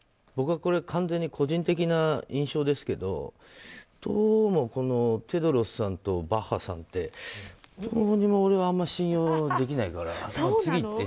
僕は、これ完全に個人的な印象ですけどどうも、テドロスさんとバッハさんってどうにも俺はあまり信用できないから。